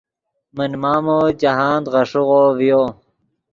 من مامو جاہند غیݰیغو ڤیو